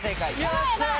よっしゃ！